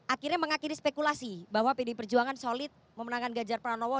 akhirnya mengakhiri spekulasi bahwa pdi perjuangan solid memenangkan ganjar pranowo